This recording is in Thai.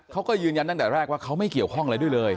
เขาก็ยืนยันตั้งแต่แรกว่าเขาไม่เกี่ยวข้องอะไรด้วยเลย